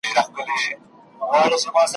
نه غازي نه څوک شهید وي نه جنډۍ پکښي کتار کې ,